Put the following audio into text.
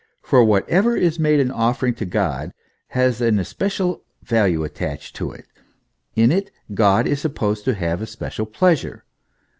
For whatever is made an offering to God has an especial value attached to it ; in it God is supposed to have especial pleasure.